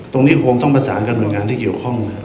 ตรงนี้คงต้องประสานกับหน่วยงานที่เกี่ยวข้องนะครับ